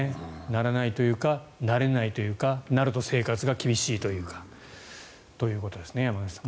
ならないというかなれないというかなると生活が厳しいというか。ということですね、山口さん